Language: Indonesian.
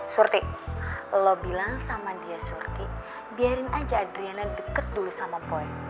surti lo bilang sama dia surti biarin aja adriana deket dulu sama boy